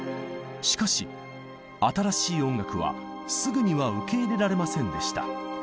しかし新しい音楽はすぐには受け入れられませんでした。